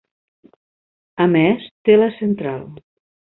A més, té la central.